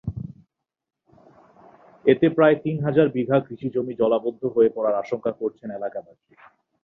এতে প্রায় তিন হাজার বিঘা কৃষিজমি জলাবদ্ধ হয়ে পড়ার আশঙ্কা করছেন এলাকাবাসী।